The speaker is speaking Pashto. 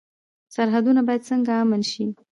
سرحدونه باید څنګه امن شي؟